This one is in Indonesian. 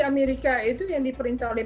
amerika itu yang diperintah oleh